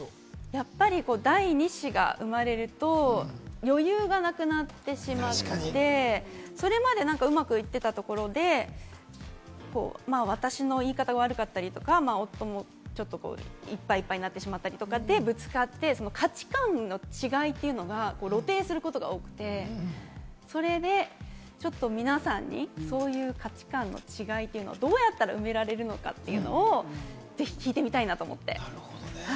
やっぱり第２子が生まれると、余裕がなくなってしまって、それまでうまくいってたところで、私の言い方が悪かったりとか、夫もちょっと、いっぱいいっぱいになってしまったりとかで、ぶつかって、価値観の違いというのが露呈することが多くて、それでちょっと皆さんにそういう価値観の違いをどうやったら埋められるのか？というのをぜひ聞いてみたいなと思って。